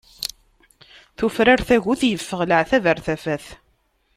Tufrar tagut, iffeɣ leɛtab ɣeṛ tafat.